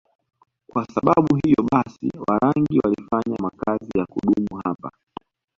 Kwa sababu hiyo basi Warangi walifanya makazi ya kudumu hapa